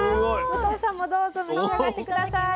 武藤さんもどうぞ召し上がって下さい。